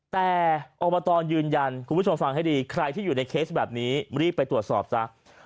แต่อบตยืนยันคุณผู้ชมฟังให้ดีใครที่อยู่ในเคสแบบนี้รีบไปตรวจสอบซะ